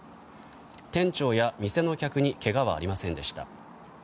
店長や店の客にけがはありませんでした。